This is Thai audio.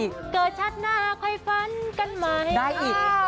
เกิดชาติน่ารักให้ฝันกันใหม่